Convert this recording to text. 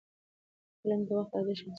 علم د وخت ارزښت انسان ته ښيي.